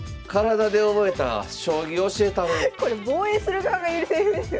これ防衛する側が言うセリフですよね。